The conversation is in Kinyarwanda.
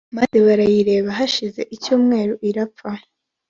maze barayireba Hashize icyumweru irapfa